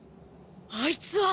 あいつは。